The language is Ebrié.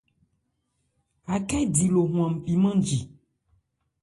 Akhɛ́ di lo hwân mpì nmánji.